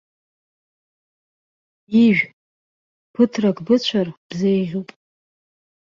Ижә, ԥыҭрак быцәар бзеиӷьуп.